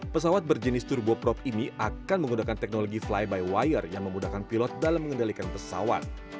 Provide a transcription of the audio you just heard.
pesawat berjenis turboprop ini akan menggunakan teknologi fly by wire yang memudahkan pilot dalam mengendalikan pesawat